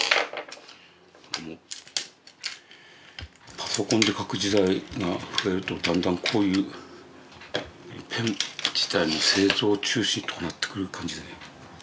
パソコンで描く時代が増えるとだんだんこういうペン自体が製造中止とかなってくる感じだな。